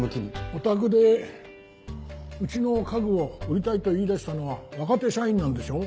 おたくでうちの家具を売りたいと言い出したのは若手社員なんでしょ？